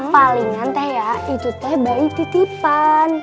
paling nanteh ya itu teh bayi titipan